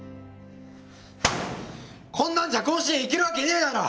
こんなんじゃ甲子園いけるわけねえだろ！